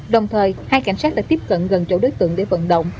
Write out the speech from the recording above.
đồng thời hai cảnh sát đã tiếp cận gần chỗ đối tượng để vận động